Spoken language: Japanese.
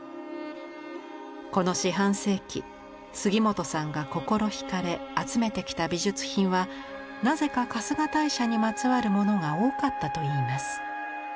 この四半世紀杉本さんが心惹かれ集めてきた美術品はなぜか春日大社にまつわるものが多かったといいます。